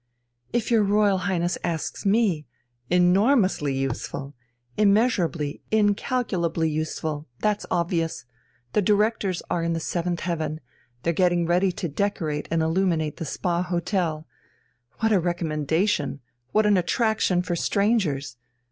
"If your Royal Highness asks me ... enormously useful! Immeasurably, incalculably useful that's obvious! The directors are in the seventh heaven, they're getting ready to decorate and illuminate the Spa Hotel! What a recommendation, what an attraction for strangers!